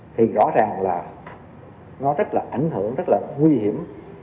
thì rõ ràng là nó rất là ảnh hưởng rất là nguy hiểm